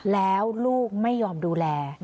แล้วลูกไม่ยอมดูแล